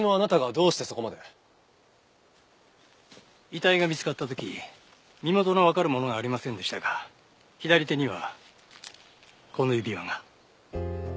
遺体が見つかった時身元のわかる物はありませんでしたが左手にはこの指輪が。